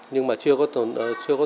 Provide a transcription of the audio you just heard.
nhưng mà chưa có